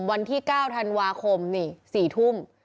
วันที่๙ธันวาคมนี่๔ทุ่ม